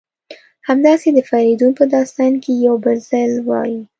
همداسې د فریدون په داستان کې یو بل ځل وایي: